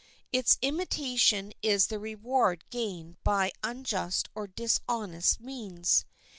Its imitation is the reward gained by unjust or dishonest means.